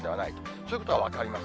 そういうことは分かります。